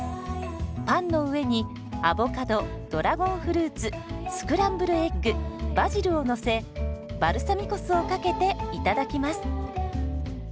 パンの上にアボカドドラゴンフルーツスクランブルエッグバジルをのせバルサミコ酢をかけていただきます。